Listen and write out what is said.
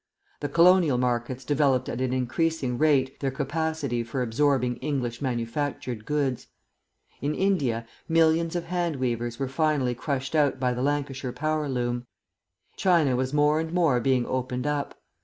The Colonial markets developed at an increasing rate their capacity for absorbing English manufactured goods. In India millions of hand weavers were finally crushed out by the Lancashire power loom. China was more and more being opened up.